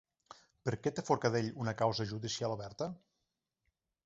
Per què té Forcadell una causa judicial oberta?